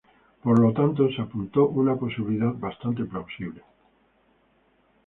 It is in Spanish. Por tanto, se apuntó una posibilidad bastante plausible.